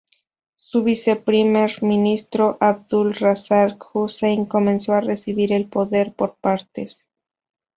Su viceprimer ministro, Abdul Razak Hussein, comenzó a recibir el poder por partes.